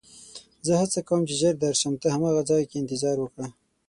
زه هڅه کوم چې ژر درشم، ته هماغه ځای کې انتظار وکړه.